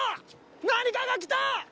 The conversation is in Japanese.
何かが来た！